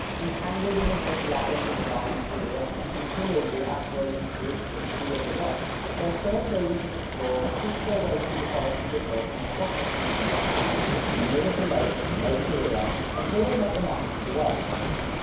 Entangled in the water labyrinth of the vast interior, and kindled with aspirations to reach the "Sea of the West," their fur traders and explorers pushed their way through the forests of the North and across the plains of the South, from river to lake, from lake to river, until they met the mountains of the West.